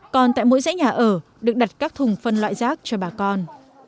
còn tại mỗi dãy nhà ở được đặt các thùng phân loại rác cho bà con